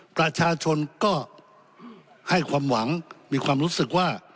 ประชาชนก็ให้ความหวังมีความรู้สึกว่า